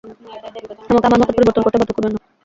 আমাকে আমার মত পরিবর্তন করতে বাধ্য করবেন না।